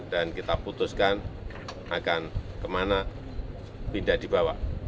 dan kita putuskan akan kemana pindad dibawa